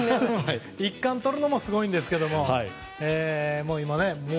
１冠とるのもすごいんですけれども。